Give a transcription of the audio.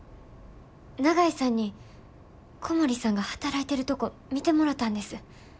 長井さんに小森さんが働いてるとこ見てもろたんです。